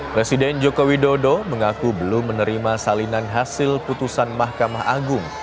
presiden joko widodo mengaku belum menerima salinan hasil putusan mahkamah agung